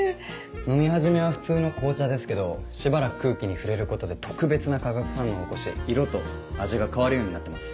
飲み始めは普通の紅茶ですけどしばらく空気に触れることで特別な化学反応を起こし色と味が変わるようになってます。